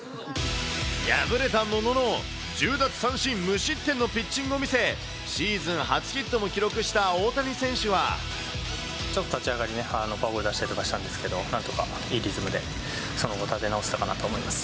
敗れたものの、１０奪三振無失点のピッチングを見せ、シーズン初ヒットも記録しちょっと立ち上がりね、フォアボール出したりとかしたんですけど、なんとかいいリズムでその後、立て直せたかなと思います。